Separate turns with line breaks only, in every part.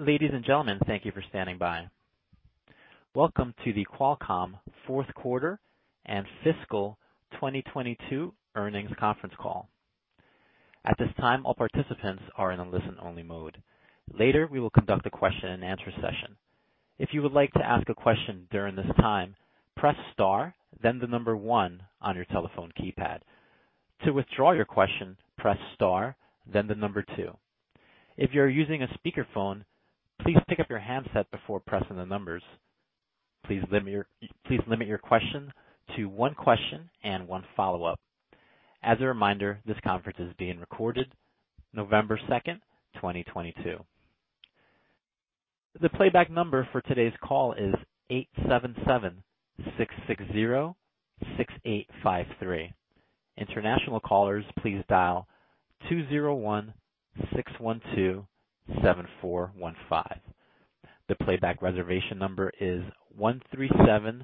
Ladies and gentlemen, thank you for standing by. Welcome to the Qualcomm fourth quarter and fiscal 2022 earnings conference call. At this time, all participants are in a listen-only mode. Later, we will conduct a question and answer session. If you would like to ask a question during this time, press star then the number one on your telephone keypad. To withdraw your question, press star then the number two. If you're using a speakerphone, please pick up your handset before pressing the numbers. Please limit your question to one question and one follow-up. As a reminder, this conference is being recorded, November 2, 2022. The playback number for today's call is 877-660-6853. International callers, please dial 201-612-7415. The playback reservation number is 137-3389.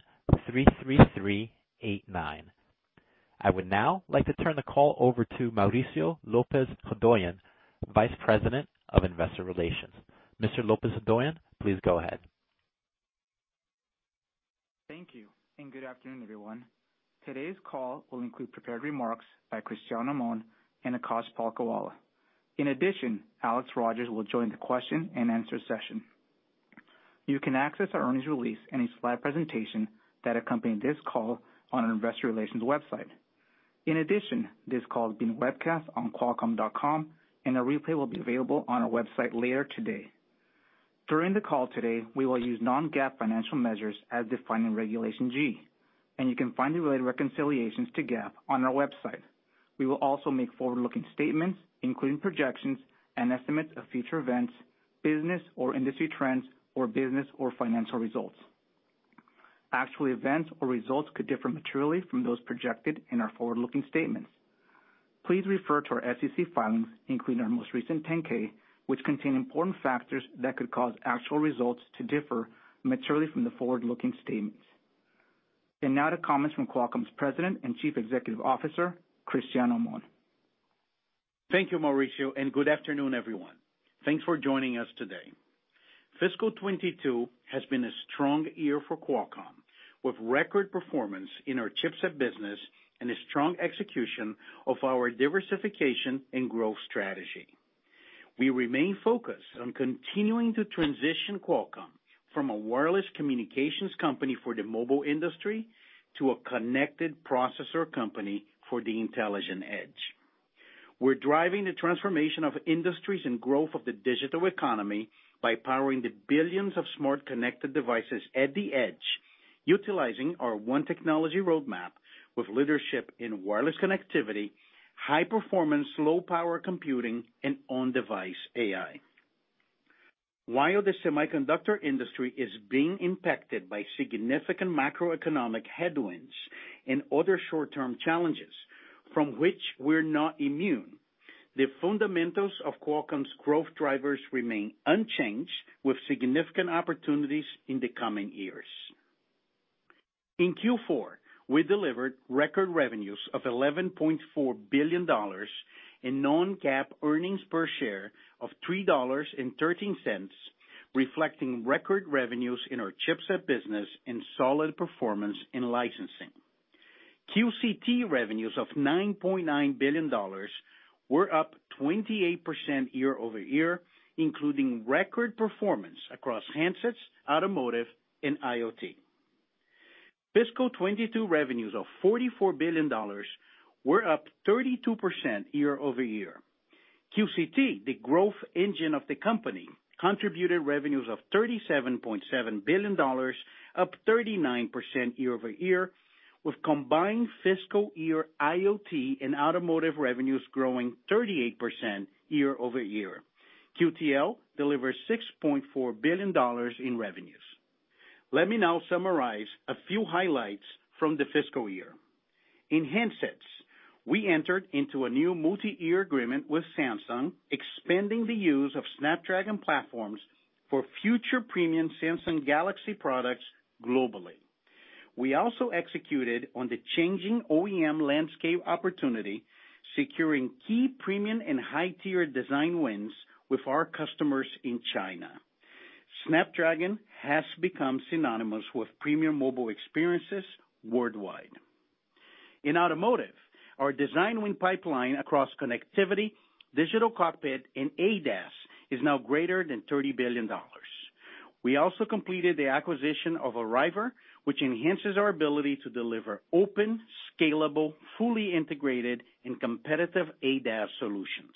I would now like to turn the call over to Mauricio Lopez-Hodoyan, Vice President of Investor Relations. Mr. Lopez-Hodoyan, please go ahead.
Thank you, and good afternoon, everyone. Today's call will include prepared remarks by Cristiano Amon and Akash Palkhiwala. In addition, Alex Rogers will join the question-and-answer session. You can access our earnings release and its live presentation that accompany this call on our investor relations website. In addition, this call is being webcast on qualcomm.com, and a replay will be available on our website later today. During the call today, we will use non-GAAP financial measures as defined in Regulation G, and you can find the related reconciliations to GAAP on our website. We will also make forward-looking statements, including projections and estimates of future events, business or industry trends, or business or financial results. Actual events or results could differ materially from those projected in our forward-looking statements. Please refer to our SEC filings, including our most recent 10-K, which contain important factors that could cause actual results to differ materially from the forward-looking statements. Now to comments from Qualcomm's President and Chief Executive Officer, Cristiano Amon.
Thank you, Mauricio, and good afternoon, everyone. Thanks for joining us today. Fiscal 2022 has been a strong year for Qualcomm, with record performance in our chipset business and a strong execution of our diversification and growth strategy. We remain focused on continuing to transition Qualcomm from a wireless communications company for the mobile industry to a connected processor company for the intelligent edge. We're driving the transformation of industries and growth of the digital economy by powering the billions of smart connected devices at the edge, utilizing our One Technology Roadmap with leadership in wireless connectivity, high performance, low power computing, and on-device AI. While the semiconductor industry is being impacted by significant macroeconomic headwinds and other short-term challenges from which we're not immune, the fundamentals of Qualcomm's growth drivers remain unchanged, with significant opportunities in the coming years. In Q4, we delivered record revenues of $11.4 billion and non-GAAP earnings per share of $3.13, reflecting record revenues in our chipset business and solid performance in licensing. QCT revenues of $9.9 billion were up 28% year-over-year, including record performance across handsets, automotive, and IoT. Fiscal 2022 revenues of $44 billion were up 32% year-over-year. QCT, the growth engine of the company, contributed revenues of $37.7 billion, up 39% year-over-year, with combined fiscal year IoT and automotive revenues growing 38% year-over-year. QTL delivered $6.4 billion in revenues. Let me now summarize a few highlights from the fiscal year. In handsets, we entered into a new multi-year agreement with Samsung, expanding the use of Snapdragon platforms for future premium Samsung Galaxy products globally. We also executed on the changing OEM landscape opportunity, securing key premium and high-tier design wins with our customers in China. Snapdragon has become synonymous with premium mobile experiences worldwide. In automotive, our design win pipeline across connectivity, digital cockpit, and ADAS is now greater than $30 billion. We also completed the acquisition of Arriver, which enhances our ability to deliver open, scalable, fully integrated, and competitive ADAS solutions.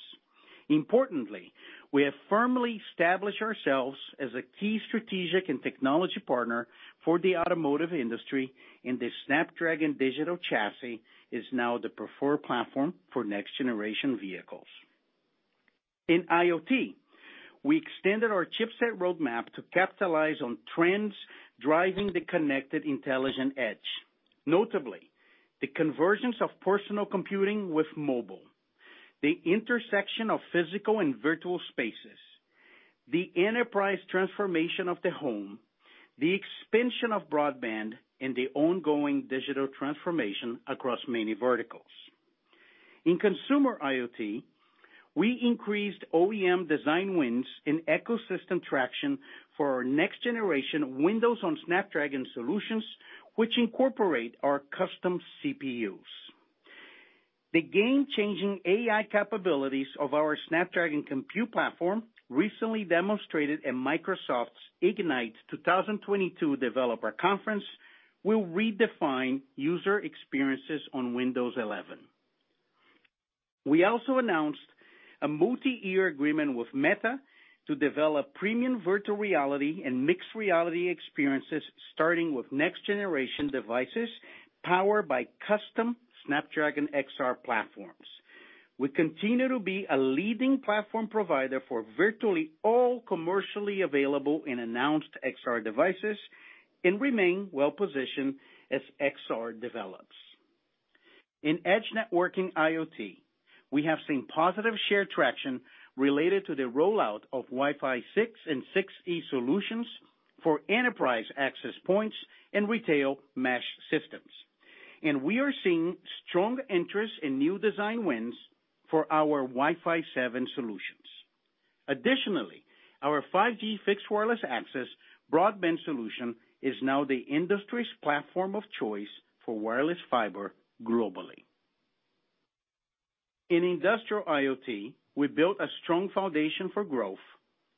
Importantly, we have firmly established ourselves as a key strategic and technology partner for the automotive industry, and the Snapdragon Digital Chassis is now the preferred platform for next-generation vehicles. In IoT, we extended our chipset roadmap to capitalize on trends driving the connected intelligent edge. Notably, the convergence of personal computing with mobile, the intersection of physical and virtual spaces, the enterprise transformation of the home, the expansion of broadband, and the ongoing digital transformation across many verticals. In consumer IoT, we increased OEM design wins in ecosystem traction for our next-generation Windows on Snapdragon solutions, which incorporate our custom CPUs. The game-changing AI capabilities of our Snapdragon Compute Platform, recently demonstrated in Microsoft's Ignite 2022 developer conference, will redefine user experiences on Windows 11. We also announced a multi-year agreement with Meta to develop premium virtual reality and mixed reality experiences, starting with next-generation devices powered by custom Snapdragon XR platforms. We continue to be a leading platform provider for virtually all commercially available and announced XR devices and remain well-positioned as XR develops. In edge networking IoT, we have seen positive share traction related to the rollout of Wi-Fi 6 and 6E solutions for enterprise access points and retail mesh systems. We are seeing strong interest in new design wins for our Wi-Fi 7 solutions. Additionally, our 5G fixed wireless access broadband solution is now the industry's platform of choice for wireless fiber globally. In industrial IoT, we built a strong foundation for growth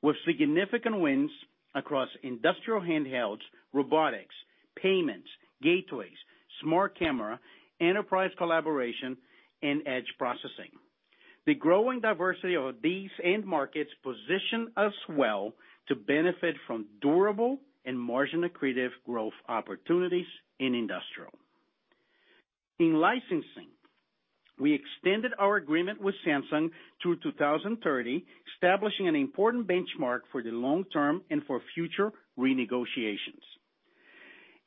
with significant wins across industrial handhelds, robotics, payments, gateways, smart camera, enterprise collaboration, and edge processing. The growing diversity of these end markets position us well to benefit from durable and margin-accretive growth opportunities in industrial. In licensing, we extended our agreement with Samsung through 2030, establishing an important benchmark for the long term and for future renegotiations.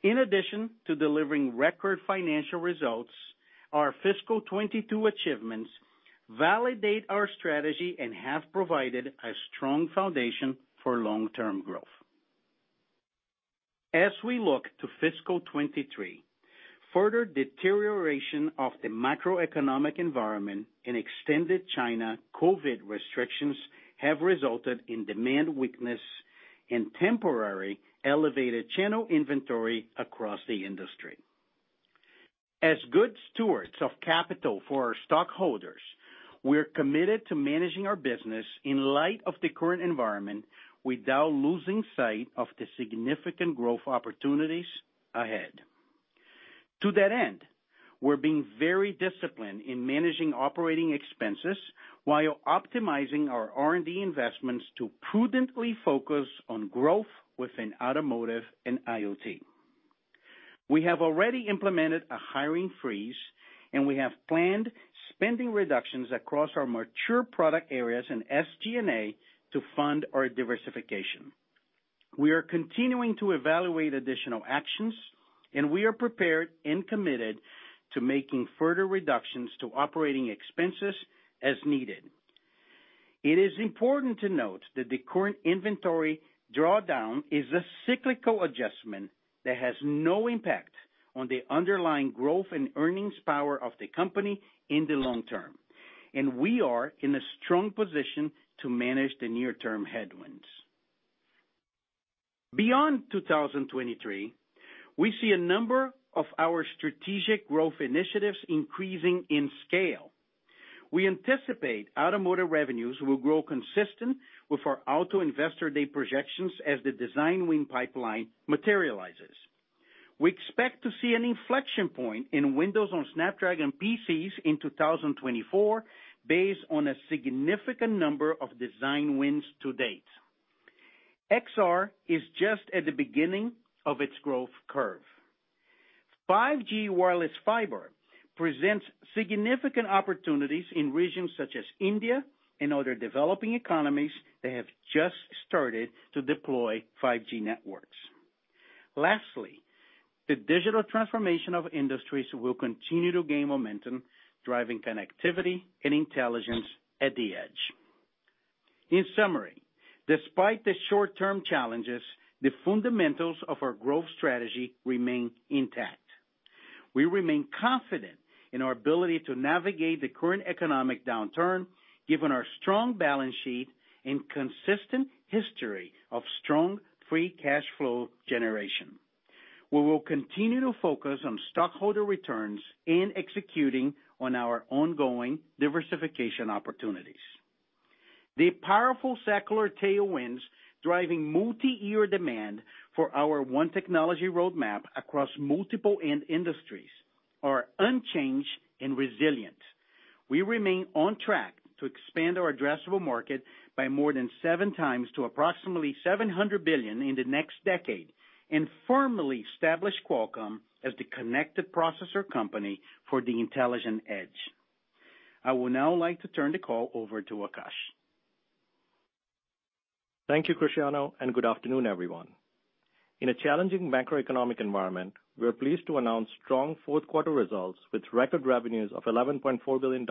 In addition to delivering record financial results, our fiscal 2022 achievements validate our strategy and have provided a strong foundation for long-term growth. As we look to fiscal 2023, further deterioration of the macroeconomic environment and extended China COVID restrictions have resulted in demand weakness and temporary elevated channel inventory across the industry. As good stewards of capital for our stockholders, we're committed to managing our business in light of the current environment without losing sight of the significant growth opportunities ahead. To that end, we're being very disciplined in managing operating expenses while optimizing our R&D investments to prudently focus on growth within automotive and IoT. We have already implemented a hiring freeze, and we have planned spending reductions across our mature product areas and SG&A to fund our diversification. We are continuing to evaluate additional actions, and we are prepared and committed to making further reductions to operating expenses as needed. It is important to note that the current inventory drawdown is a cyclical adjustment that has no impact on the underlying growth and earnings power of the company in the long term, and we are in a strong position to manage the near-term headwinds. Beyond 2023, we see a number of our strategic growth initiatives increasing in scale. We anticipate automotive revenues will grow consistent with our Automotive Investor Day projections as the design win pipeline materializes. We expect to see an inflection point in Windows on Snapdragon PCs in 2024 based on a significant number of design wins to date. XR is just at the beginning of its growth curve. 5G wireless fiber presents significant opportunities in regions such as India and other developing economies that have just started to deploy 5G networks. Lastly, the digital transformation of industries will continue to gain momentum, driving connectivity and intelligence at the edge. In summary, despite the short-term challenges, the fundamentals of our growth strategy remain intact. We remain confident in our ability to navigate the current economic downturn, given our strong balance sheet and consistent history of strong free cash flow generation. We will continue to focus on stockholder returns and executing on our ongoing diversification opportunities. The powerful secular tailwinds driving multi-year demand for our One Technology Roadmap across multiple end industries are unchanged and resilient. We remain on track to expand our addressable market by more than 7x to approximately $700 billion in the next decade and firmly establish Qualcomm as the connected processor company for the intelligent edge. I would now like to turn the call over to Akash.
Thank you, Cristiano, and good afternoon, everyone. In a challenging macroeconomic environment, we are pleased to announce strong fourth quarter results with record revenues of $11.4 billion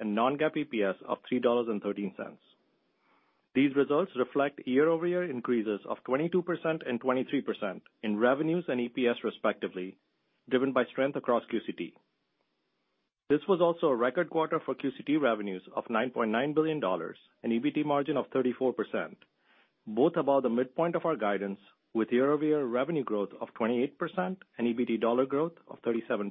and non-GAAP EPS of $3.13. These results reflect year-over-year increases of 22% and 23% in revenues and EPS respectively, driven by strength across QCT. This was also a record quarter for QCT revenues of $9.9 billion, an EBT margin of 34%, both above the midpoint of our guidance, with year-over-year revenue growth of 28% and EBT dollar growth of 37%.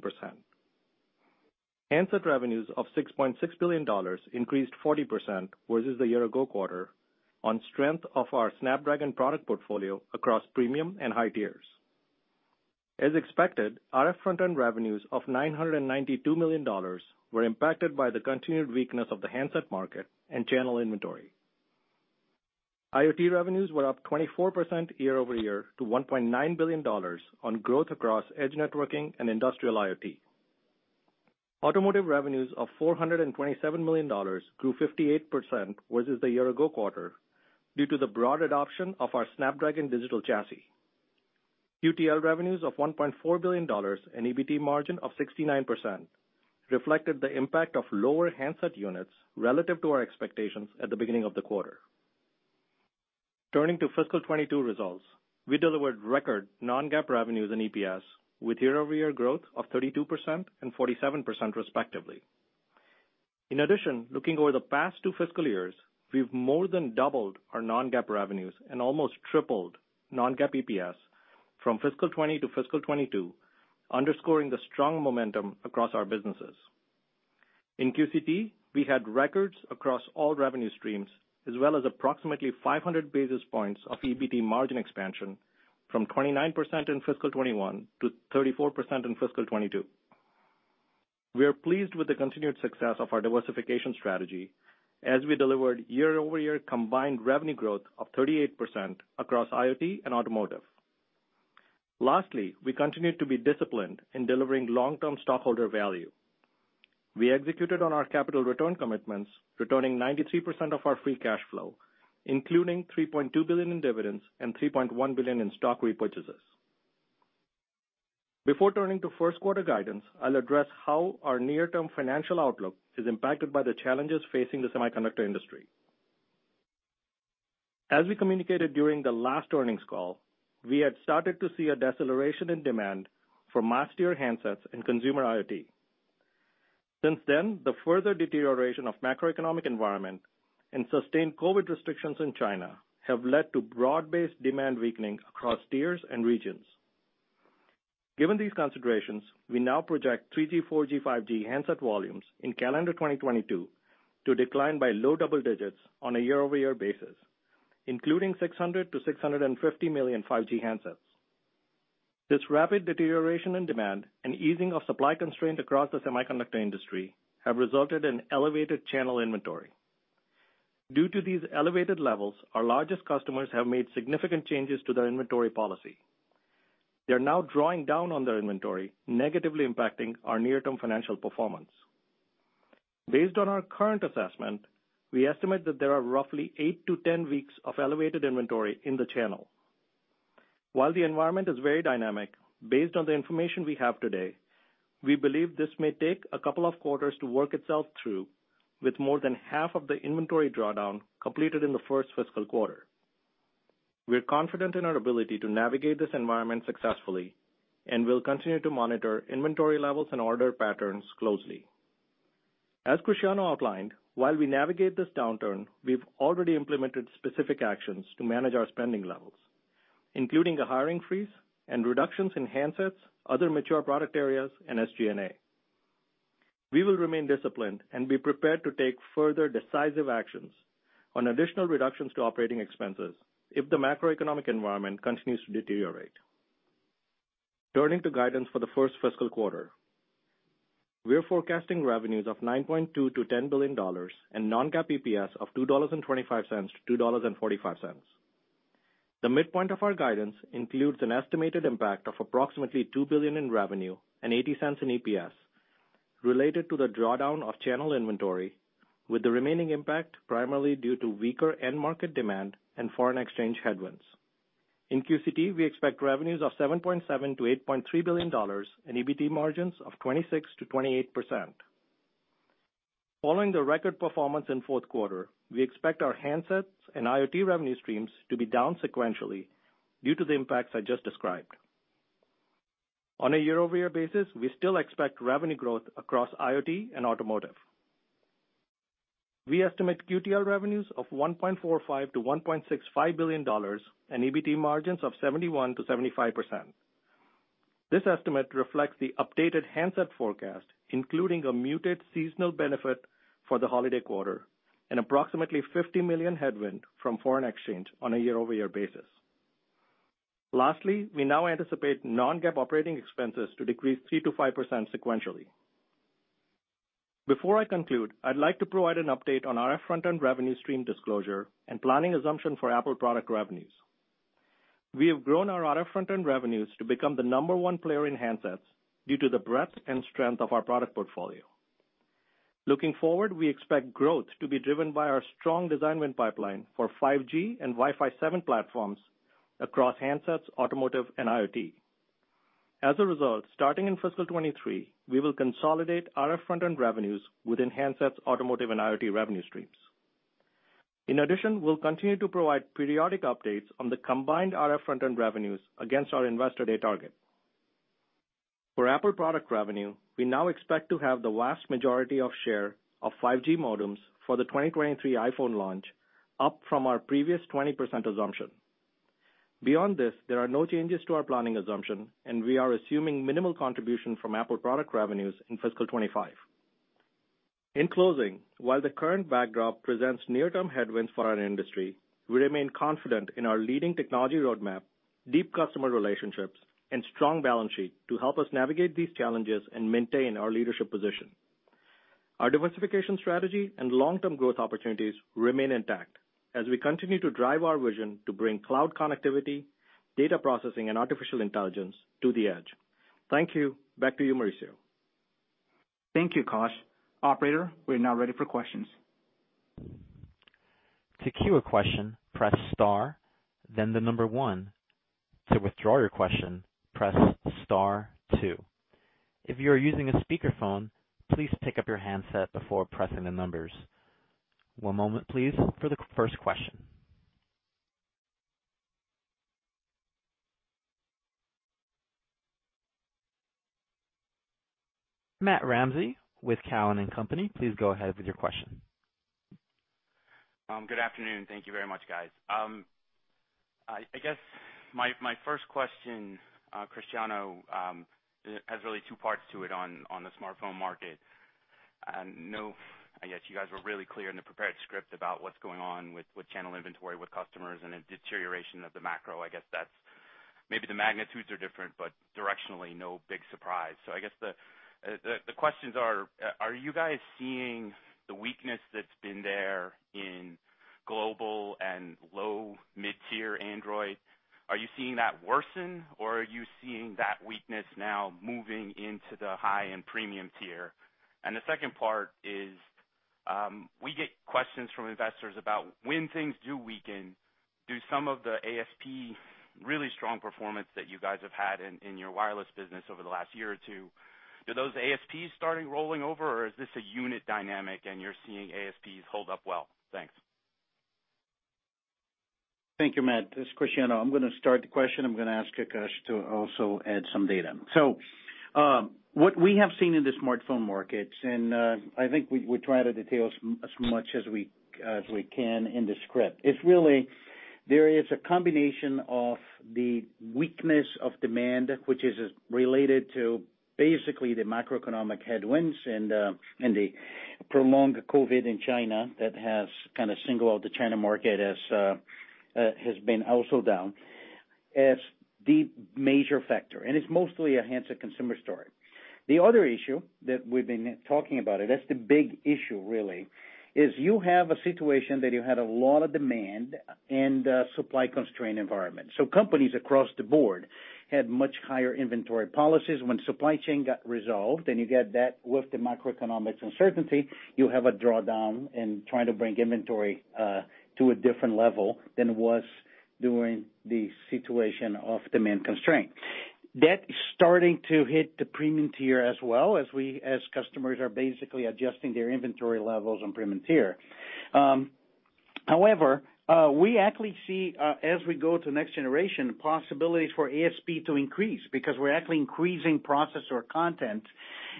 Handset revenues of $6.6 billion increased 40% versus the year ago quarter on strength of our Snapdragon product portfolio across premium and high tiers. As expected, RF front-end revenues of $992 million were impacted by the continued weakness of the handset market and channel inventory. IoT revenues were up 24% year-over-year to $1.9 billion on growth across edge networking and industrial IoT. Automotive revenues of $427 million grew 58% versus the year ago quarter due to the broad adoption of our Snapdragon Digital Chassis. QTL revenues of $1.4 billion and EBT margin of 69% reflected the impact of lower handset units relative to our expectations at the beginning of the quarter. Turning to fiscal 2022 results, we delivered record non-GAAP revenues and EPS with year-over-year growth of 32% and 47% respectively. In addition, looking over the past two fiscal years, we've more than doubled our non-GAAP revenues and almost tripled non-GAAP EPS from fiscal 2020 to fiscal 2022, underscoring the strong momentum across our businesses. In QCT, we had records across all revenue streams, as well as approximately 500 basis points of EBT margin expansion from 29% in fiscal 2021 to 34% in fiscal 2022. We are pleased with the continued success of our diversification strategy as we delivered year-over-year combined revenue growth of 38% across IoT and automotive. Lastly, we continue to be disciplined in delivering long-term stockholder value. We executed on our capital return commitments, returning 93% of our free cash flow, including $3.2 billion in dividends and $3.1 billion in stock repurchases. Before turning to first quarter guidance, I'll address how our near-term financial outlook is impacted by the challenges facing the semiconductor industry. As we communicated during the last earnings call, we had started to see a deceleration in demand for mass-tier handsets and consumer IoT. Since then, the further deterioration of macroeconomic environment and sustained COVID restrictions in China have led to broad-based demand weakening across tiers and regions. Given these considerations, we now project 3G, 4G, 5G handset volumes in calendar 2022 to decline by low double digits on a year-over-year basis, including 600-650 million 5G handsets. This rapid deterioration in demand and easing of supply constraint across the semiconductor industry have resulted in elevated channel inventory. Due to these elevated levels, our largest customers have made significant changes to their inventory policy. They are now drawing down on their inventory, negatively impacting our near-term financial performance. Based on our current assessment, we estimate that there are roughly 8-10 weeks of elevated inventory in the channel. While the environment is very dynamic, based on the information we have today, we believe this may take a couple of quarters to work itself through, with more than half of the inventory drawdown completed in the first fiscal quarter. We are confident in our ability to navigate this environment successfully and will continue to monitor inventory levels and order patterns closely. As Cristiano outlined, while we navigate this downturn, we've already implemented specific actions to manage our spending levels, including a hiring freeze and reductions in handsets, other mature product areas, and SG&A. We will remain disciplined and be prepared to take further decisive actions on additional reductions to operating expenses if the macroeconomic environment continues to deteriorate. Turning to guidance for the first fiscal quarter. We are forecasting revenues of $9.2 billion-$10 billion and non-GAAP EPS of $2.25-$2.45. The midpoint of our guidance includes an estimated impact of approximately $2 billion in revenue and $0.80 in EPS related to the drawdown of channel inventory, with the remaining impact primarily due to weaker end market demand and foreign exchange headwinds. In QCT, we expect revenues of $7.7 billion-$8.3 billion and EBT margins of 26%-28%. Following the record performance in fourth quarter, we expect our handsets and IoT revenue streams to be down sequentially due to the impacts I just described. On a year-over-year basis, we still expect revenue growth across IoT and automotive. We estimate QTL revenues of $1.45 billion-$1.65 billion and EBT margins of 71%-75%. This estimate reflects the updated handset forecast, including a muted seasonal benefit for the holiday quarter and approximately $50 million headwind from foreign exchange on a year-over-year basis. Lastly, we now anticipate non-GAAP operating expenses to decrease 3%-5% sequentially. Before I conclude, I'd like to provide an update on RF front-end revenue stream disclosure and planning assumption for Apple product revenues. We have grown our RF front-end revenues to become the number one player in handsets due to the breadth and strength of our product portfolio. Looking forward, we expect growth to be driven by our strong design win pipeline for 5G and Wi-Fi 7 platforms across handsets, automotive, and IoT. As a result, starting in fiscal 2023, we will consolidate RF front-end revenues within handsets, automotive, and IoT revenue streams. In addition, we'll continue to provide periodic updates on the combined RF front-end revenues against our investor day target. For Apple product revenue, we now expect to have the vast majority of share of 5G modems for the 2023 iPhone launch, up from our previous 20% assumption. Beyond this, there are no changes to our planning assumption, and we are assuming minimal contribution from Apple product revenues in fiscal 2025. In closing, while the current backdrop presents near-term headwinds for our industry, we remain confident in our leading technology roadmap, deep customer relationships, and strong balance sheet to help us navigate these challenges and maintain our leadership position. Our diversification strategy and long-term growth opportunities remain intact as we continue to drive our vision to bring cloud connectivity, data processing, and artificial intelligence to the edge. Thank you. Back to you, Mauricio.
Thank you, Akash. Operator, we're now ready for questions.
To queue a question, press star, then the number one. To withdraw your question, press star two. If you are using a speakerphone, please pick up your handset before pressing the numbers. One moment, please, for the first question. Matt Ramsay with Cowen and Company, please go ahead with your question.
Good afternoon. Thank you very much, guys. I guess my first question, Cristiano, it has really two parts to it on the smartphone market. I guess you guys were really clear in the prepared script about what's going on with channel inventory, with customers and a deterioration of the macro. I guess that's maybe the magnitudes are different, but directionally no big surprise. I guess the questions are you guys seeing the weakness that's been there in global and low-, mid-tier Android? Are you seeing that worsen, or are you seeing that weakness now moving into the high-end premium tier? The second part is, we get questions from investors about when things do weaken, do some of the ASP really strong performance that you guys have had in your wireless business over the last year or two, do those ASPs starting rolling over, or is this a unit dynamic and you're seeing ASPs hold up well? Thanks.
Thank you, Matt. This is Cristiano. I'm gonna start the question. I'm gonna ask Akash to also add some data. What we have seen in the smartphone markets, I think we try to detail as much as we can in the script. It's really there is a combination of the weakness of demand, which is related to basically the macroeconomic headwinds and the prolonged COVID in China that has kinda singled out the China market as has been also down as the major factor. It's mostly a handset consumer story. The other issue that we've been talking about, and that's the big issue really, is you have a situation that you had a lot of demand and a supply-constrained environment. Companies across the board had much higher inventory policies. When supply chain got resolved, and you get that with the macroeconomic uncertainty, you have a drawdown in trying to bring inventory to a different level than it was during the situation of demand constraint. That is starting to hit the premium tier as well as customers are basically adjusting their inventory levels on premium tier. However, we actually see, as we go to next generation, possibilities for ASP to increase because we're actually increasing processor content,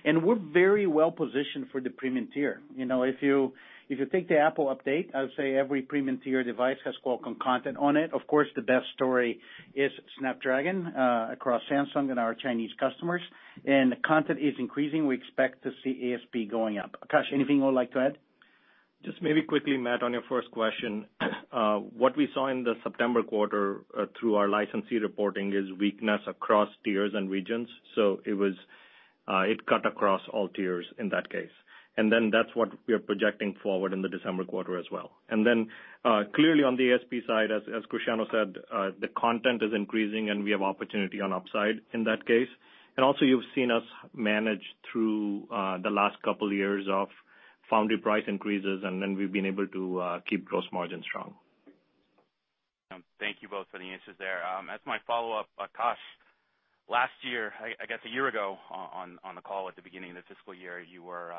and we're very well positioned for the premium tier. You know, if you take the Apple update, I would say every premium tier device has Qualcomm content on it. Of course, the best story is Snapdragon across Samsung and our Chinese customers. The content is increasing. We expect to see ASP going up. Akash, anything you would like to add?
Just maybe quickly, Matt, on your first question. What we saw in the September quarter through our licensee reporting is weakness across tiers and regions. It cut across all tiers in that case. That's what we are projecting forward in the December quarter as well. Clearly on the ASP side, as Cristiano said, the content is increasing, and we have opportunity on upside in that case. You've seen us manage through the last couple years of foundry price increases, and then we've been able to keep gross margin strong.
Thank you both for the answers there. As my follow-up, Akash, last year, I guess a year ago on the call at the beginning of the fiscal year, you were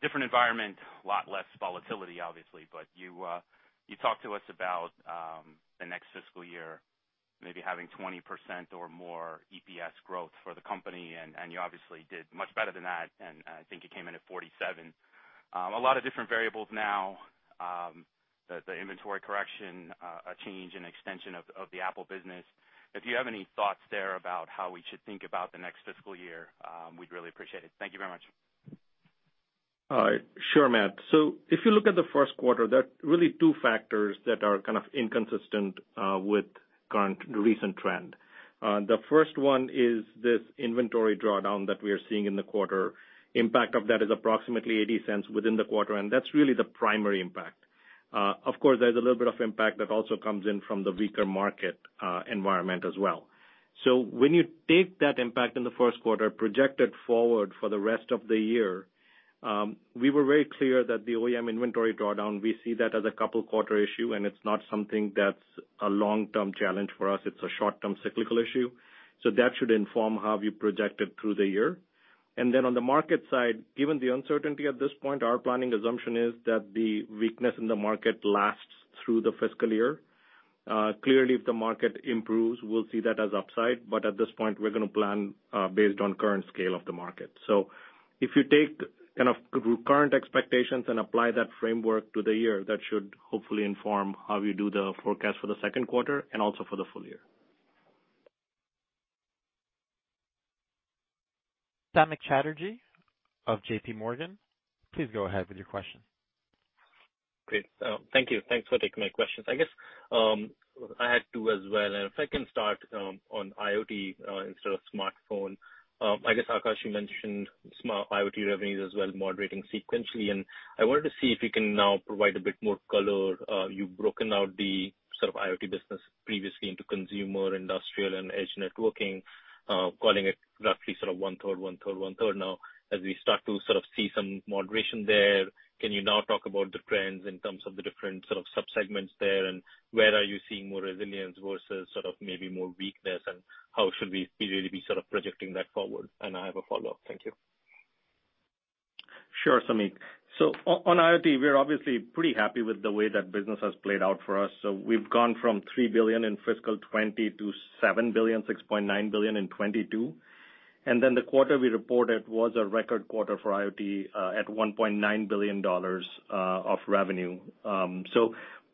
different environment, a lot less volatility obviously, but you talked to us about the next fiscal year maybe having 20% or more EPS growth for the company, and you obviously did much better than that, and I think you came in at 47. A lot of different variables now, the inventory correction, a change in extension of the Apple business. If you have any thoughts there about how we should think about the next fiscal year, we'd really appreciate it. Thank you very much.
All right. Sure, Matt. If you look at the first quarter, there are really two factors that are kind of inconsistent with recent trend. The first one is this inventory drawdown that we are seeing in the quarter. Impact of that is approximately $0.80 within the quarter, and that's really the primary impact. Of course, there's a little bit of impact that also comes in from the weaker market environment as well. When you take that impact in the first quarter, project it forward for the rest of the year, we were very clear that the OEM inventory drawdown, we see that as a couple quarter issue, and it's not something that's a long-term challenge for us. It's a short-term cyclical issue. That should inform how we project it through the year. On the market side, given the uncertainty at this point, our planning assumption is that the weakness in the market lasts through the fiscal year. Clearly, if the market improves, we'll see that as upside, but at this point, we're gonna plan based on current scale of the market. If you take kind of current expectations and apply that framework to the year, that should hopefully inform how we do the forecast for the second quarter and also for the full year.
Samik Chatterjee of JPMorgan, please go ahead with your question.
Great. Thank you. Thanks for taking my questions. I guess I had to as well. If I can start on IoT instead of smartphone. I guess, Akash, you mentioned smart IoT revenues as well, moderating sequentially. I wanted to see if you can now provide a bit more color. You've broken out the sort of IoT business previously into consumer, industrial, and edge networking, calling it roughly sort of 1/3, 1/3, 1/3 now. As we start to sort of see some moderation there, can you now talk about the trends in terms of the different sort of sub-segments there, and where are you seeing more resilience versus sort of maybe more weakness, and how should we really be sort of projecting that forward? I have a follow-up. Thank you.
Sure, Samik. On IoT, we're obviously pretty happy with the way that business has played out for us. We've gone from $3 billion in fiscal 2020 to $7.6 billion in 2022. Then the quarter we reported was a record quarter for IoT at $1.9 billion of revenue.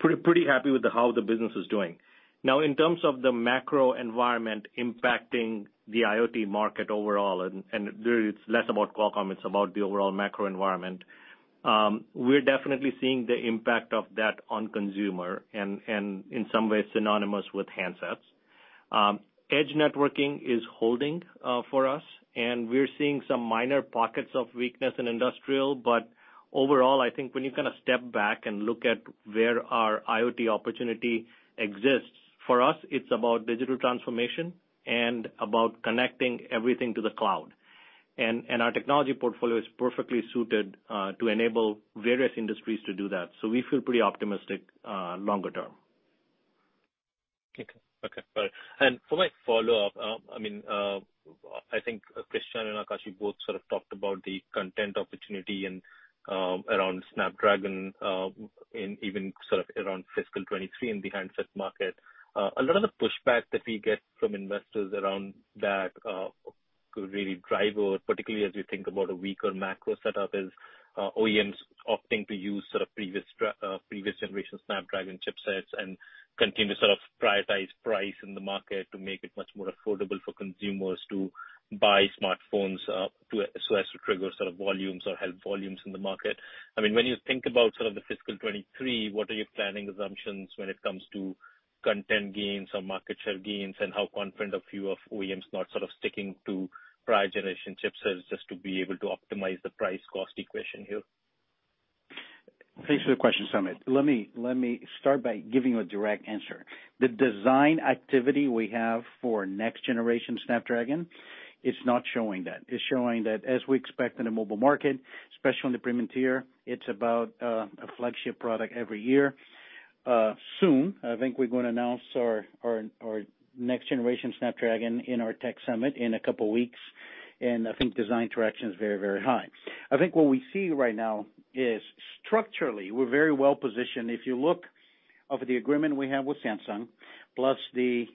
Pretty happy with how the business is doing. In terms of the macro environment impacting the IoT market overall, and really it's less about Qualcomm. It's about the overall macro environment. We're definitely seeing the impact of that on consumer and in some ways synonymous with handsets. Edge networking is holding for us, and we're seeing some minor pockets of weakness in industrial. Overall, I think when you kind of step back and look at where our IoT opportunity exists, for us, it's about digital transformation and about connecting everything to the cloud. Our technology portfolio is perfectly suited to enable various industries to do that. We feel pretty optimistic longer term.
Okay. All right. For my follow-up, I mean, I think Cristiano and Akash both sort of talked about the content opportunity and around Snapdragon and even sort of around fiscal 2023 in the handset market. A lot of the pushback that we get from investors around that could really drive or particularly as you think about a weaker macro setup is OEMs opting to use sort of previous generation Snapdragon chipsets and continue to sort of prioritize price in the market to make it much more affordable for consumers to buy smartphones so as to trigger sort of volumes or help volumes in the market. I mean, when you think about sort of the fiscal 2023, what are your planning assumptions when it comes to content gains or market share gains, and how confident are you of OEMs not sort of sticking to prior generation chipsets just to be able to optimize the price cost equation here?
Thanks for the question, Samik. Let me start by giving you a direct answer. The design activity we have for next generation Snapdragon, it's not showing that. It's showing that as we expect in a mobile market, especially in the premium tier, it's about a flagship product every year. Soon, I think we're gonna announce our next generation Snapdragon in our tech summit in a couple weeks, and I think design interaction is very, very high. I think what we see right now is structurally, we're very well-positioned. If you look at the agreement we have with Samsung, plus the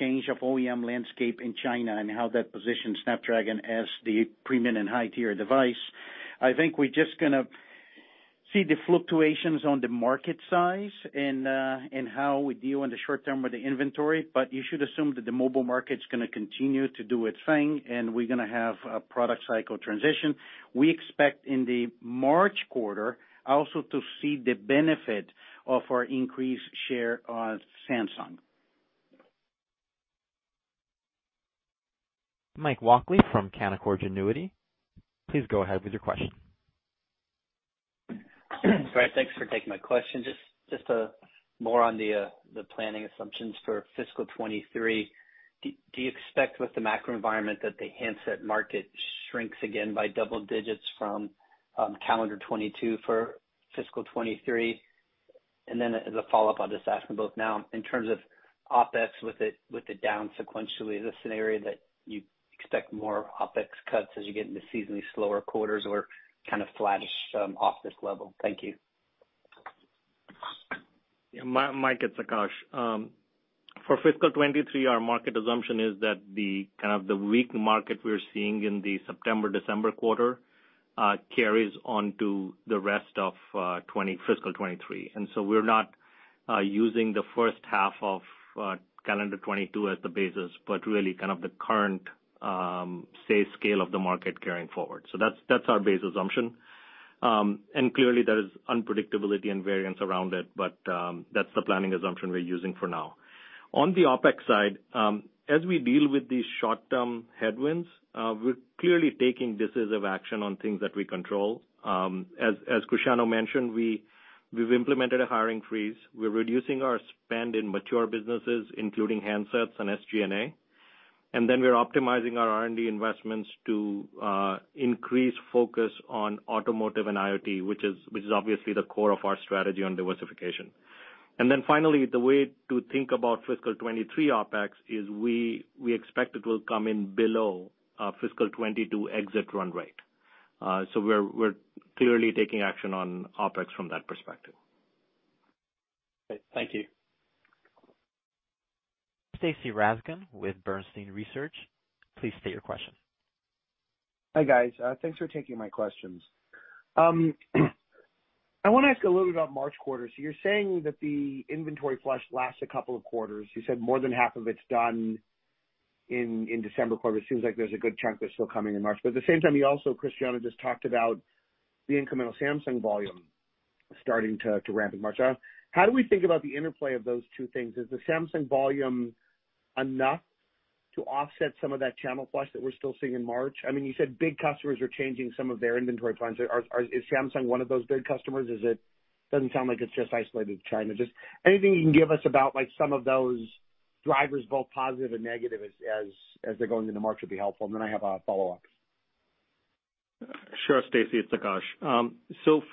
change of OEM landscape in China and how that positions Snapdragon as the premium and high-tier device, I think we're just gonna see the fluctuations on the market size and how we deal in the short term with the inventory. You should assume that the mobile market's gonna continue to do its thing, and we're gonna have a product cycle transition. We expect in the March quarter also to see the benefit of our increased share on Samsung.
Mike Walkley from Canaccord Genuity, please go ahead with your question.
Great. Thanks for taking my question. Just more on the planning assumptions for fiscal 2023. Do you expect with the macro environment that the handset market shrinks again by double digits from calendar 2022 for fiscal 2023? As a follow-up, I'll just ask them both now. In terms of OpEx with it down sequentially, the scenario that you expect more OpEx cuts as you get into seasonally slower quarters or kind of flattish OpEx level? Thank you.
Yeah. Mike, it's Akash. For fiscal 2023, our market assumption is that the kind of weak market we're seeing in the September-December quarter carries on to the rest of fiscal 2023. We're not using the first half of calendar 2022 as the basis, but really the current scale of the market carrying forward. That's our base assumption. Clearly, there is unpredictability and variance around it, but that's the planning assumption we're using for now. On the OpEx side, as we deal with these short-term headwinds, we're clearly taking decisive action on things that we control. As Cristiano mentioned, we've implemented a hiring freeze. We're reducing our spend in mature businesses, including handsets and SG&A. We're optimizing our R&D investments to increase focus on automotive and IoT, which is obviously the core of our strategy on diversification. The way to think about fiscal 2023 OpEx is we expect it will come in below our fiscal 2022 exit run rate. We're clearly taking action on OpEx from that perspective.
Great. Thank you.
Stacy Rasgon with Bernstein Research, please state your question.
Hi, guys, thanks for taking my questions. I wanna ask a little bit about March quarter. You're saying that the inventory flush lasts a couple of quarters. You said more than half of it's done in December quarter. It seems like there's a good chunk that's still coming in March. At the same time, you also, Cristiano just talked about the incremental Samsung volume starting to ramp in March. How do we think about the interplay of those two things? Is the Samsung volume enough to offset some of that channel flush that we're still seeing in March? I mean, you said big customers are changing some of their inventory plans. Is Samsung one of those big customers? Doesn't sound like it's just isolated to China. Just anything you can give us about, like, some of those drivers, both positive and negative as they're going into March would be helpful. I have a follow-up.
Sure, Stacy, it's Akash.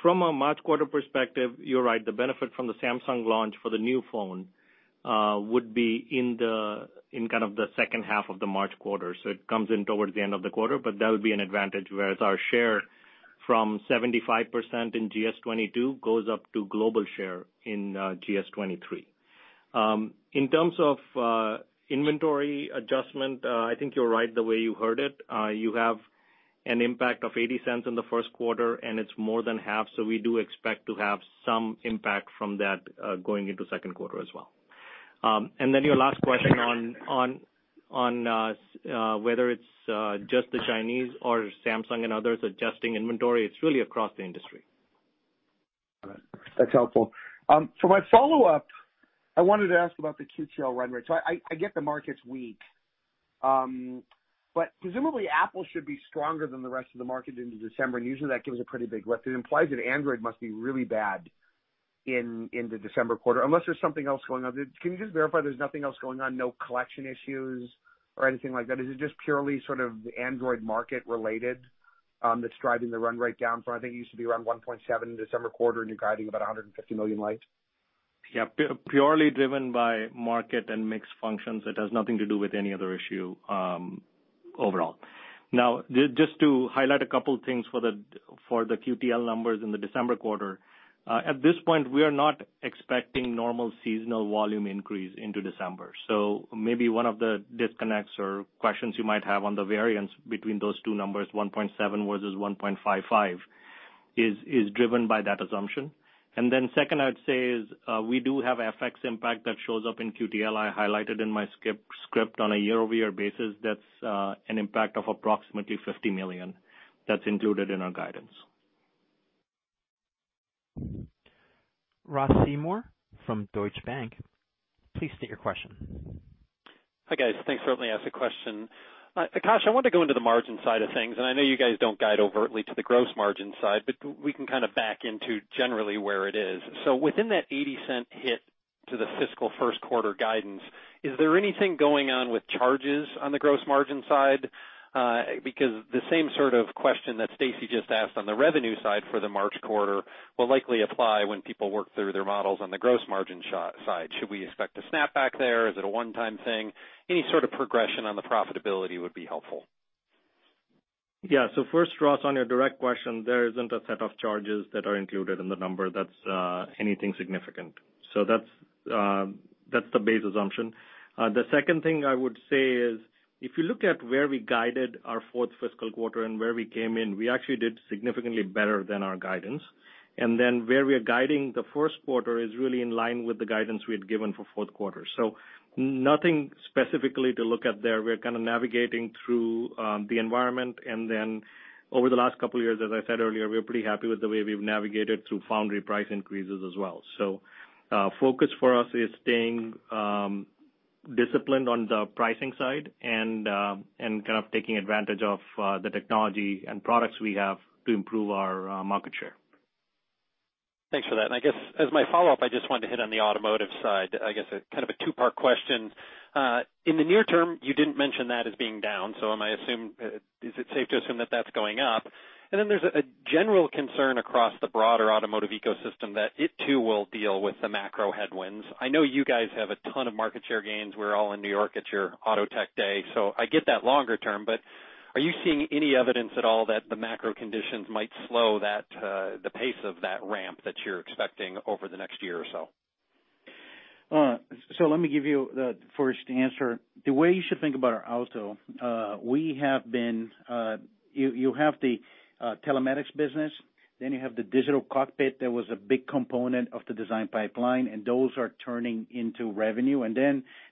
From a March quarter perspective, you're right. The benefit from the Samsung launch for the new phone would be in kind of the second half of the March quarter. It comes in towards the end of the quarter, but that would be an advantage, whereas our share from 75% in GS22 goes up to global share in GS23. In terms of inventory adjustment, I think you're right the way you heard it. You have an impact of $0.80 in the first quarter, and it's more than half, so we do expect to have some impact from that going into second quarter as well. Then your last question on whether it's just the Chinese or Samsung and others adjusting inventory, it's really across the industry.
Got it. That's helpful. For my follow-up, I wanted to ask about the QTL run rate. I get the market's weak, but presumably Apple should be stronger than the rest of the market into December, and usually that gives a pretty big lift. It implies that Android must be really bad in the December quarter, unless there's something else going on. Can you just verify there's nothing else going on? No collection issues or anything like that? Is it just purely sort of Android market related that's driving the run rate down? I think it used to be around 1.7 December quarter, and you're guiding about $150 million less.
Yeah. Purely driven by market and mix functions. It has nothing to do with any other issue, overall. Now, just to highlight a couple things for the QTL numbers in the December quarter, at this point, we are not expecting normal seasonal volume increase into December. Maybe one of the disconnects or questions you might have on the variance between those two numbers, $1.7 versus $1.55, is driven by that assumption. Then second, I would say is, we do have FX impact that shows up in QTL. I highlighted in my script on a year-over-year basis, that's an impact of approximately $50 million that's included in our guidance.
Ross Seymore from Deutsche Bank, please state your question.
Hi, guys. Thanks for letting me ask a question. Akash, I wanted to go into the margin side of things, and I know you guys don't guide overtly to the gross margin side, but we can kinda back into generally where it is. Within that $0.80 hit to the fiscal first quarter guidance, is there anything going on with charges on the gross margin side? Because the same sort of question that Stacy just asked on the revenue side for the March quarter will likely apply when people work through their models on the gross margin side. Should we expect a snapback there? Is it a one-time thing? Any sort of progression on the profitability would be helpful.
Yeah. First, Ross, on your direct question, there isn't a set of charges that are included in the number that's anything significant. That's the base assumption. The second thing I would say is if you look at where we guided our fourth fiscal quarter and where we came in, we actually did significantly better than our guidance. Where we are guiding the first quarter is really in line with the guidance we had given for fourth quarter. Nothing specifically to look at there. We're kind of navigating through the environment. Over the last couple of years, as I said earlier, we're pretty happy with the way we've navigated through foundry price increases as well. Focus for us is staying disciplined on the pricing side and kind of taking advantage of the technology and products we have to improve our market share.
Thanks for that. I guess as my follow-up, I just wanted to hit on the automotive side. I guess a kind of a two-part question. In the near term, you didn't mention that as being down, so is it safe to assume that that's going up? There's a general concern across the broader automotive ecosystem that it too will deal with the macro headwinds. I know you guys have a ton of market share gains. We're all in New York. It's your Automotive Investor Day, so I get that longer term. Are you seeing any evidence at all that the macro conditions might slow the pace of that ramp that you're expecting over the next year or so?
Let me give you the first answer. The way you should think about our auto. You have the telematics business, then you have the digital cockpit that was a big component of the design pipeline, and those are turning into revenue.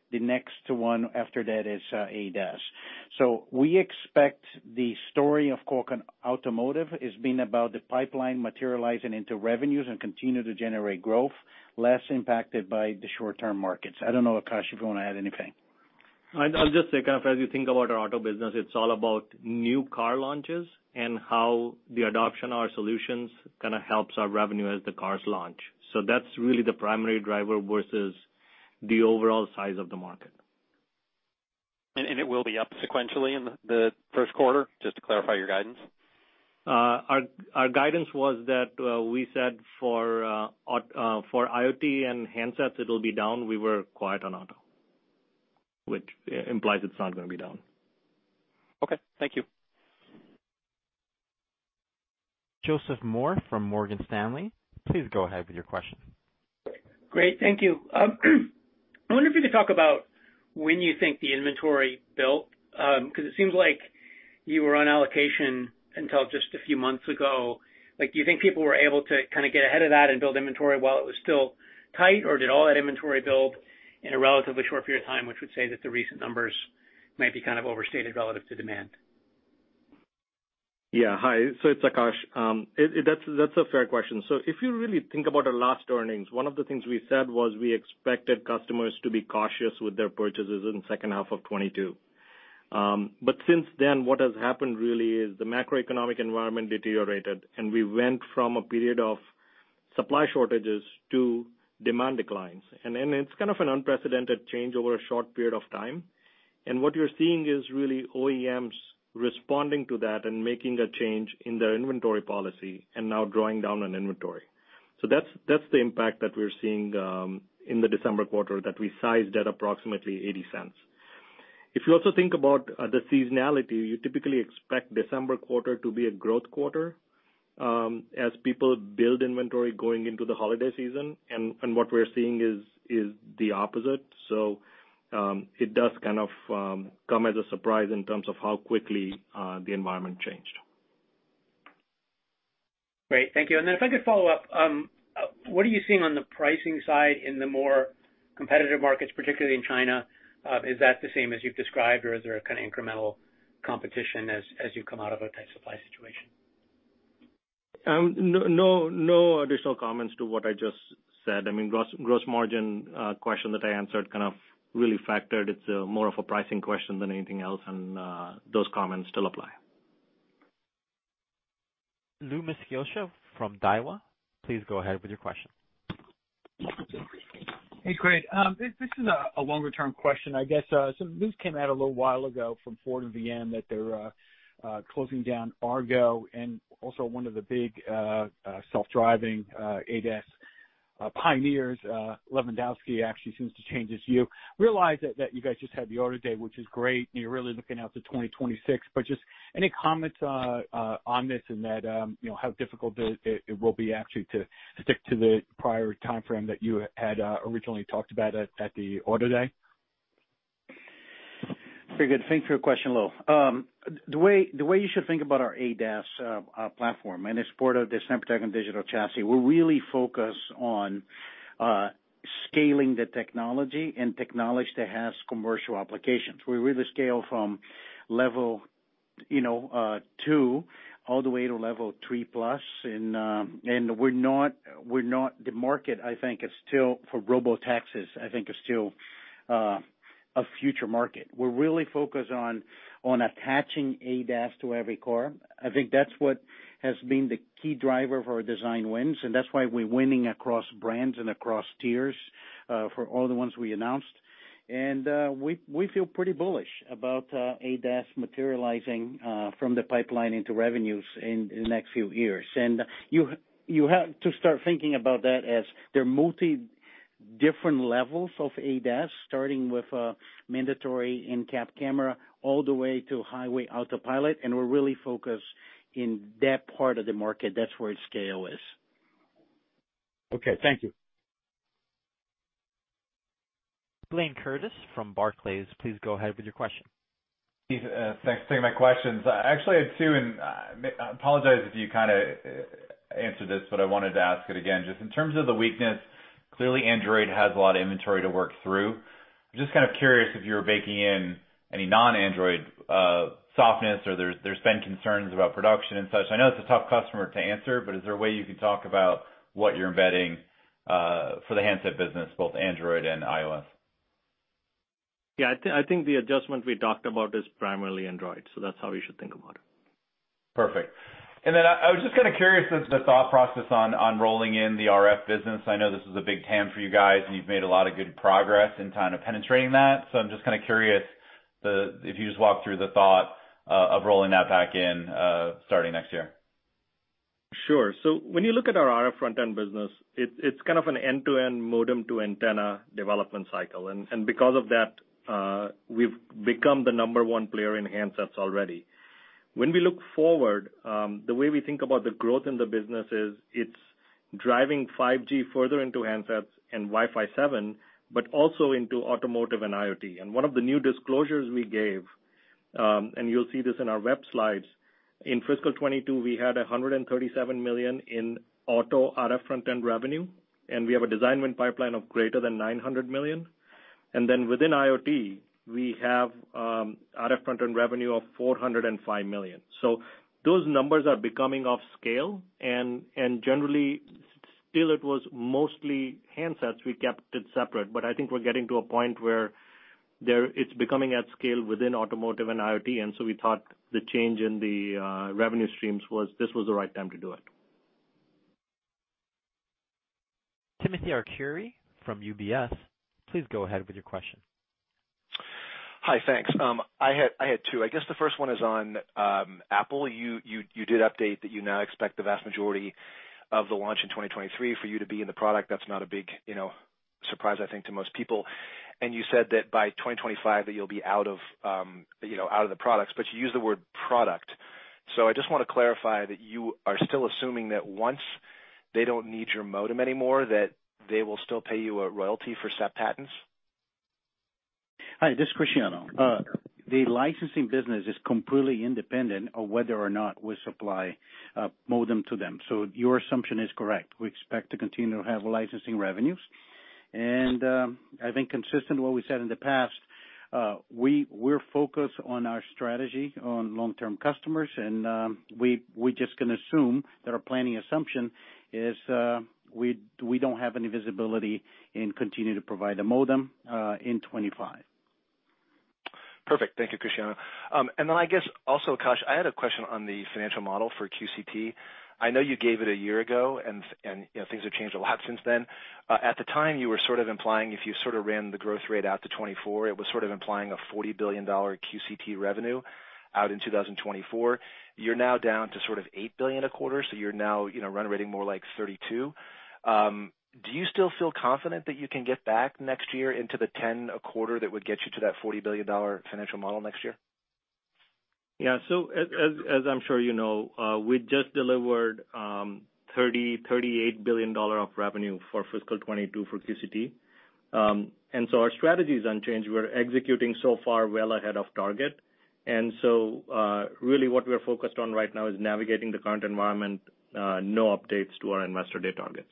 The next one after that is ADAS. We expect the story of Qualcomm automotive is being about the pipeline materializing into revenues and continue to generate growth, less impacted by the short-term markets. I don't know, Akash, if you wanna add anything. I'll just say, kind of as you think about our auto business, it's all about new car launches and how the adoption of our solutions kinda helps our revenue as the cars launch. That's really the primary driver versus the overall size of the market.
It will be up sequentially in the first quarter? Just to clarify your guidance.
Our guidance was that we said for IoT and handsets, it'll be down. We were quiet on auto, which implies it's not gonna be down.
Okay. Thank you.
Joseph Moore from Morgan Stanley, please go ahead with your question.
Great. Thank you. I wonder if you could talk about when you think the inventory built, 'cause it seems like you were on allocation until just a few months ago. Like, do you think people were able to kinda get ahead of that and build inventory while it was still tight, or did all that inventory build in a relatively short period of time, which would say that the recent numbers might be kind of overstated relative to demand?
Yeah. Hi. It's Akash. That's a fair question. If you really think about our last earnings, one of the things we said was we expected customers to be cautious with their purchases in second half of 2022. Since then, what has happened really is the macroeconomic environment deteriorated, and we went from a period of supply shortages to demand declines. It's kind of an unprecedented change over a short period of time, and what you're seeing is really OEMs responding to that and making a change in their inventory policy and now drawing down on inventory. That's the impact that we're seeing in the December quarter that we sized at approximately $0.80. If you also think about the seasonality, you typically expect December quarter to be a growth quarter, as people build inventory going into the holiday season, and what we're seeing is the opposite. It does kind of come as a surprise in terms of how quickly the environment changed.
Great. Thank you. If I could follow up, what are you seeing on the pricing side in the more competitive markets, particularly in China? Is that the same as you've described, or is there a kinda incremental competition as you come out of a tight supply situation?
No additional comments to what I just said. I mean, gross margin question that I answered kind of really factored. It's more of a pricing question than anything else, and those comments still apply.
Louis Miscioscia from Daiwa, please go ahead with your question.
Hey, Craig. This is a longer term question, I guess. Some news came out a little while ago from Ford and VW that they're closing down Argo and also one of the big self-driving ADAS pioneers, Levandowski, actually seems to change his view. Realize that you guys just had the auto day, which is great, and you're really looking out to 2026, but just any comments on this and that, you know, how difficult it will be actually to stick to the prior timeframe that you had originally talked about at the auto day?
Very good. Thanks for your question, Lou. The way you should think about our ADAS platform, and it's part of the Snapdragon Digital Chassis, we're really focused on scaling the technology that has commercial applications. We really scale from level two all the way to level three plus, and the market for Robotaxis, I think, is still a future market. We're really focused on attaching ADAS to every core. I think that's what has been the key driver for our design wins, and that's why we're winning across brands and across tiers for all the ones we announced. We feel pretty bullish about ADAS materializing from the pipeline into revenues in the next few years. You have to start thinking about that as there are multi different levels of ADAS, starting with a mandatory in-cab camera all the way to highway autopilot, and we're really focused in that part of the market. That's where its scale is.
Okay, thank you.
Blayne Curtis from Barclays, please go ahead with your question.
Thanks. Thanks for taking my questions. Actually, I had two, and I apologize if you kinda answered this, but I wanted to ask it again. Just in terms of the weakness, clearly Android has a lot of inventory to work through. I'm just kind of curious if you were baking in any non-Android softness or there's been concerns about production and such. I know it's a tough customer to answer, but is there a way you can talk about what you're embedding for the handset business, both Android and iOS?
Yeah. I think the adjustment we talked about is primarily Android, so that's how we should think about it.
Perfect. Then I was just kinda curious about the thought process on rolling in the RF business. I know this is a big TAM for you guys, and you've made a lot of good progress in kind of penetrating that. I'm just kinda curious if you just walk through the thought of rolling that back in starting next year.
Sure. When you look at our RF front-end business, it's kind of an end-to-end modem to antenna development cycle. Because of that, we've become the number one player in handsets already. When we look forward, the way we think about the growth in the business is it's driving 5G further into handsets and Wi-Fi 7, but also into automotive and IoT. One of the new disclosures we gave, and you'll see this in our web slides, in fiscal 2022, we had $137 million in auto RF front-end revenue, and we have a design win pipeline of greater than $900 million. Then within IoT, we have RF front-end revenue of $405 million. Those numbers are becoming of scale, and generally still it was mostly handsets. We kept it separate, but I think we're getting to a point where it's becoming at scale within automotive and IoT, and so we thought the change in the revenue streams was. This was the right time to do it.
Timothy Arcuri from UBS, please go ahead with your question.
Hi. Thanks. I had two. I guess the first one is on Apple. You did update that you now expect the vast majority of the launch in 2023 for you to be in the product. That's not a big, you know, surprise, I think, to most people. You said that by 2025 that you'll be out of the products, but you used the word product. I just wanna clarify that you are still assuming that once they don't need your modem anymore, that they will still pay you a royalty for SEP patents.
Hi, this is Cristiano. The licensing business is completely independent of whether or not we supply a modem to them, so your assumption is correct. We expect to continue to have licensing revenues. I think consistent to what we said in the past, we're focused on our strategy on long-term customers, and we just can assume that our planning assumption is, we don't have any visibility and continue to provide a modem in 2025.
Perfect. Thank you, Cristiano. I guess also, Akash, I had a question on the financial model for QCT. I know you gave it a year ago, and you know, things have changed a lot since then. At the time, you were sort of implying if you sort of ran the growth rate out to 2024, it was sort of implying a $40 billion QCT revenue out in 2024. You're now down to sort of $8 billion a quarter, so you're now, you know, run rate more like $32 billion. Do you still feel confident that you can get back next year into the $10 billion a quarter that would get you to that $40 billion financial model next year?
Yeah. As I'm sure you know, we just delivered $38 billion of revenue for fiscal 2022 for QCT. Our strategy is unchanged. We're executing so far well ahead of target. Really what we're focused on right now is navigating the current environment, no updates to our investor day targets.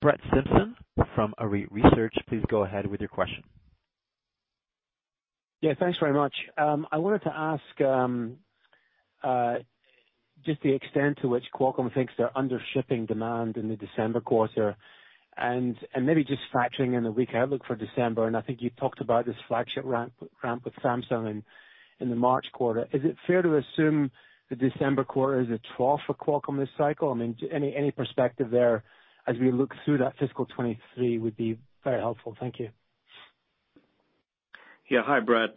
Brett Simpson from Arete Research, please go ahead with your question.
Yeah, thanks very much. I wanted to ask just the extent to which Qualcomm thinks they're under shipping demand in the December quarter, and maybe just factoring in the weak outlook for December, and I think you talked about this flagship ramp with Samsung in the March quarter. Is it fair to assume the December quarter is a trough for Qualcomm this cycle? I mean, any perspective there as we look through that fiscal 2023 would be very helpful. Thank you.
Yeah. Hi, Brett.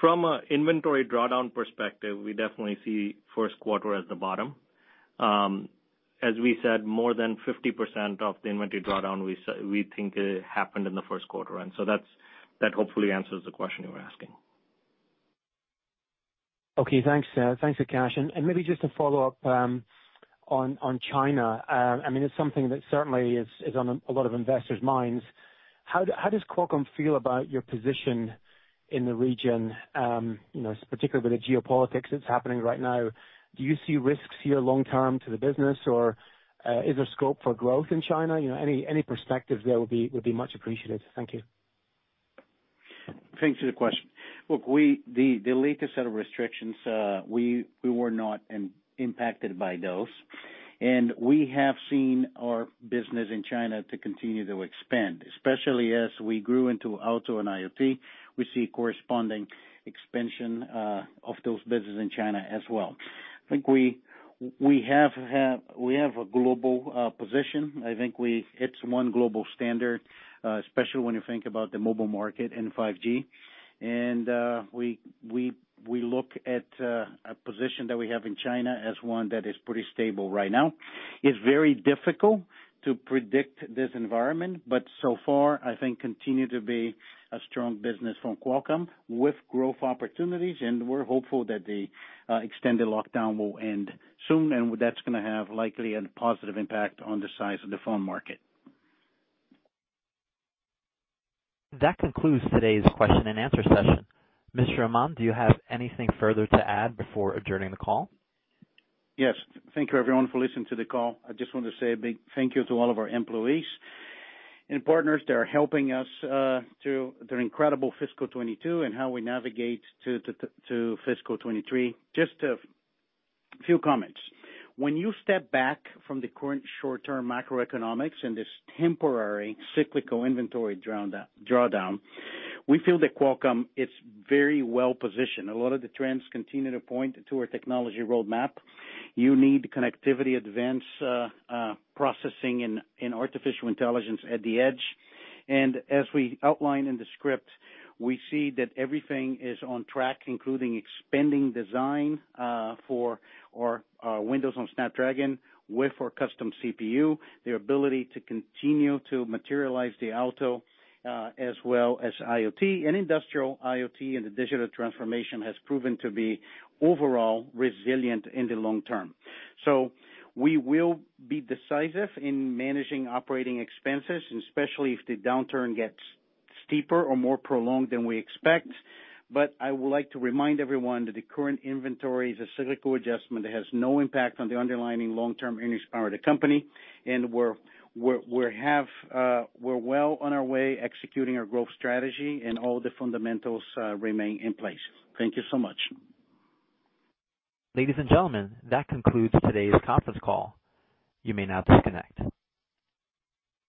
From an inventory drawdown perspective, we definitely see first quarter as the bottom. As we said, more than 50% of the inventory drawdown we think happened in the first quarter. That hopefully answers the question you were asking.
Okay. Thanks. Thanks, Akash. Maybe just to follow up on China. I mean, it's something that certainly is on a lot of investors' minds. How does Qualcomm feel about your position in the region, you know, particularly the geopolitics that's happening right now? Do you see risks here long term to the business? Or is there scope for growth in China? You know, any perspective there would be much appreciated. Thank you.
Thanks for the question. Look, the latest set of restrictions, we were not impacted by those. We have seen our business in China to continue to expand, especially as we grew into auto and IoT. We see corresponding expansion of those business in China as well. I think we have a global position. I think we hit one global standard, especially when you think about the mobile market and 5G. We look at a position that we have in China as one that is pretty stable right now. It's very difficult to predict this environment, but so far, I think continue to be a strong business from Qualcomm with growth opportunities, and we're hopeful that the extended lockdown will end soon, and that's gonna have likely a positive impact on the size of the phone market.
That concludes today's question and answer session. Mr. Amon, do you have anything further to add before adjourning the call?
Yes. Thank you, everyone, for listening to the call. I just want to say a big thank you to all of our employees and partners that are helping us through their incredible fiscal 2022 and how we navigate to fiscal 2023. Just a few comments. When you step back from the current short-term macroeconomics and this temporary cyclical inventory drawdown, we feel that Qualcomm is very well positioned. A lot of the trends continue to point to our technology roadmap. You need connectivity, advanced processing in artificial intelligence at the edge. As we outlined in the script, we see that everything is on track, including expanding design for our Windows on Snapdragon with our custom CPU, the ability to continue to materialize the auto as well as IoT. Industrial IoT and the digital transformation has proven to be overall resilient in the long term. We will be decisive in managing operating expenses, and especially if the downturn gets steeper or more prolonged than we expect. I would like to remind everyone that the current inventory is a cyclical adjustment that has no impact on the underlying long-term earnings power of the company. We're well on our way executing our growth strategy, and all the fundamentals remain in place. Thank you so much.
Ladies and gentlemen, that concludes today's conference call. You may now disconnect.